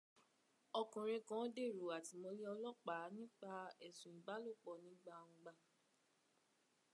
Ọkùnrin kan dèrò àtìmọ́lé ọlọ́pàá nípa ẹ̀sùn ìbálòpọ̀ ní gbangba